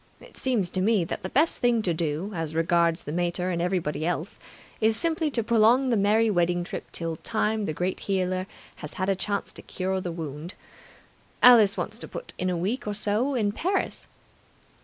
It seems to me that the best thing to do, as regards the mater and everybody else, is simply to prolong the merry wedding trip till Time the Great Healer has had a chance to cure the wound. Alice wants to put in a week or so in Paris.